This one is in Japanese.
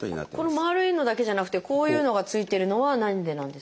このまるいのだけじゃなくてこういうのが付いてるのは何でなんですか？